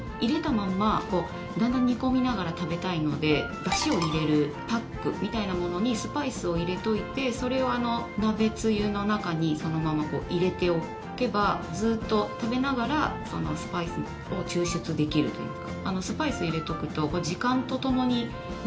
まんまだんだん煮込みながら食べたいのでだしを入れるパックみたいなものにスパイスを入れておいてそれを鍋つゆの中にそのまま入れておけばずっと食べながら、スパイスを抽出できるというか。